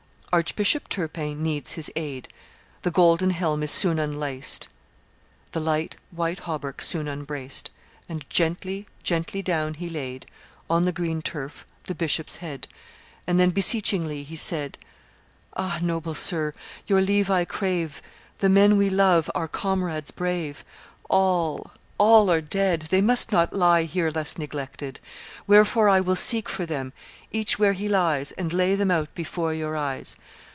Archbishop Turpin needs his aid: The golden helm is soon unlaced, The light, white hauberk soon unbraced; And gently, gently down he laid On the green turf the bishop's head; And then beseechingly he said, "'Ah! noble sir, your leave I crave The men we love, our comrades brave, All, all are dead; they must not lie Here thus neglected; wherefore I Will seek for them, each where he lies, And lay them out before your eyes.